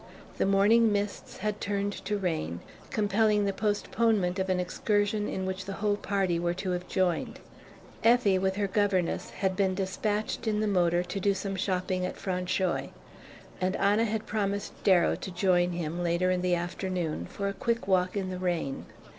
The morning mists had turned to rain, compelling the postponement of an excursion in which the whole party were to have joined. Effie, with her governess, had been despatched in the motor to do some shopping at Francheuil; and Anna had promised Darrow to join him, later in the afternoon, for a quick walk in the rain.